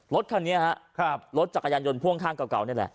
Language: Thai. ลดนี้จักรยานยนต์พ่วนข้างเงา